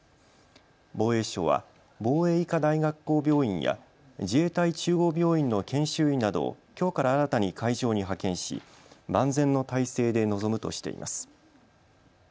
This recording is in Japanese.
防衛省は防衛医科大学校病院や自衛隊中央病院の研修医などをきょうから新たに会場に派遣し万全の体制で臨むとしています。